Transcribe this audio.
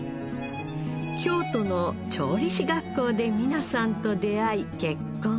京都の調理師学校で美奈さんと出会い結婚